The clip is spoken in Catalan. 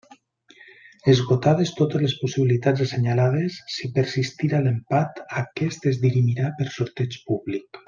Esgotades totes les possibilitats assenyalades, si persistira l'empat, aquest es dirimirà per sorteig públic.